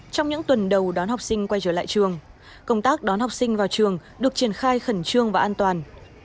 trong những tuần đầu đón học sinh quay trở lại trường công tác đón học sinh vào trường được triển khai khẩn trương và an toàn